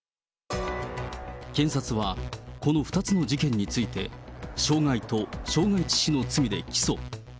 検察はこの２つの事件について、傷害と傷害致死の罪で起訴。